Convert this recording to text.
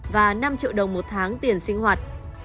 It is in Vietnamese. và năm triệu đồng một tháng tiền sinh hoạt